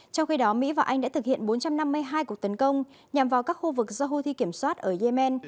trong khi đó mỹ và anh đã thực hiện bốn trăm năm mươi hai cuộc tấn công nhằm vào các khu vực do houthi kiểm soát ở yemen